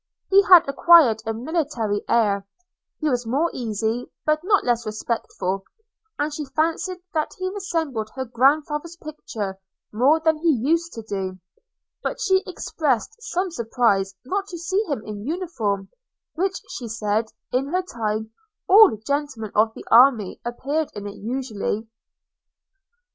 – He had acquired a military air – he was more easy, but not less respectful; and she fancied that he resembled her grandfather's picture more than he used to do; but she expressed some surprise not to see him in uniform, which she said, in her time, all gentlemen of the army appeared in usually.